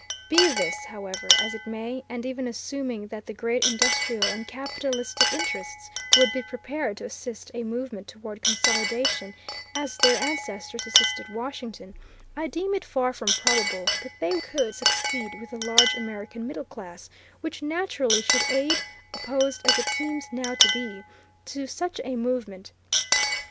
Be this, however, as it may, and even assuming that the great industrial and capitalistic interests would be prepared to assist a movement toward consolidation, as their ancestors assisted Washington, I deem it far from probable that they could succeed with the large American middle class, which naturally should aid, opposed, as it seems now to be, to such a movement.